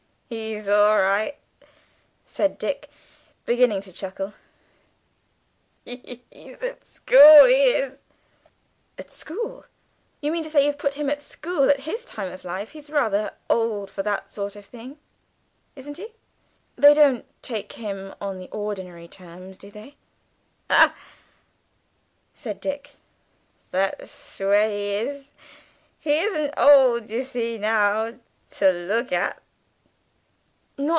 "He's all right," said Dick, beginning to chuckle. "He he. He's at school, he is!" "At school. You mean to say you've put him to school at his time of life! He's rather old for that sort of thing, isn't he? They don't take him on the ordinary terms, do they?" "Ah," said Dick, "that'sh where it is. He isn't old, you see, now, to look at."